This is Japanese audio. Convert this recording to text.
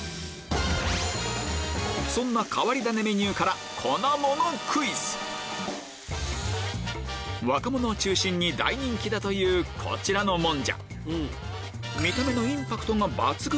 そんな変わり種メニューから若者を中心に大人気だというこちらのもんじゃ